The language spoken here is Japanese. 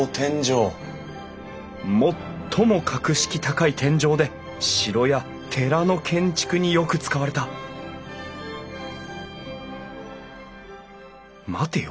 最も格式高い天井で城や寺の建築によく使われた待てよ。